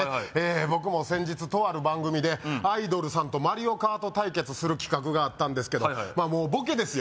僕も先日とある番組でアイドルさんとマリオカート対決する企画があったんですけどボケですよ